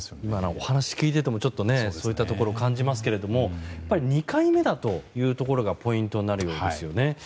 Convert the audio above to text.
お話を聞いていてもそういったところを感じますが２回目だというところがポイントになるようですよね。